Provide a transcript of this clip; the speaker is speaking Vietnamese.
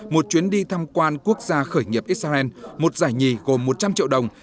một chuyến đi tham quan quốc gia khởi nghiệp israel một giải nhì gồm một trăm linh triệu đồng